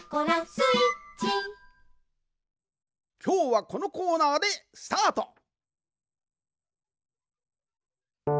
きょうはこのコーナーでスタート。